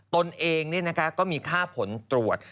ตนเองนี่นะคะก็มีค่าผลตรวจ